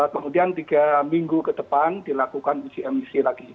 kemudian tiga minggu ke depan dilakukan uji emisi lagi